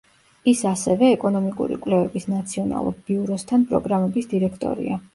ის ასევე ეკონომიკური კვლევების ნაციონალურ ბიუროსთან პროგრამების დირექტორია.